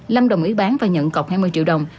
lâm đồng ý bán và nhận cọc hai mươi triệu đồng